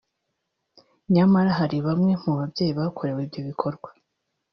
nyamara hari bamwe mu babyeyi bakorewe ibyo bikorwa